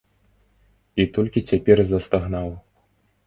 І толькі цяпер застагнаў.